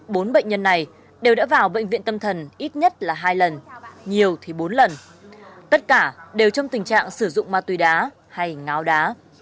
bốn bệnh nhân này đều đã vào bệnh viện tâm thần ít nhất là hai lần nhiều thì bốn lần tất cả đều trong tình trạng sử dụng ma túy đá hay ngáo đá